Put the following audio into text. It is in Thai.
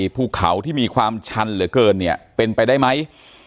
ภูเขาที่มีความชันเหลือเกินเนี่ยเป็นไปได้ไหม